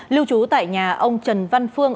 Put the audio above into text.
lưu trú tại nhà ông trần văn phương